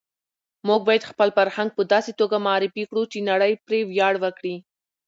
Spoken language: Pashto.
موږ باید خپل فرهنګ په داسې توګه معرفي کړو چې نړۍ پرې ویاړ وکړي.